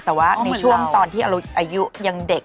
แต่ว่าในช่วงตอนที่อายุยังเด็ก